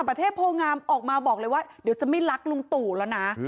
ประเทศโพงามออกมาบอกเลยว่าเดี๋ยวจะไม่รักลุงตู่แล้วนะ